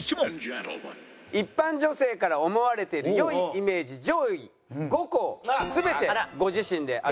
一般女性から思われている良いイメージ上位５個全てご自身で当てて頂きたい。